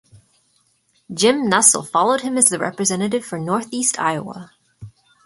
Jim Nussle followed him as the Representative for northeast Iowa.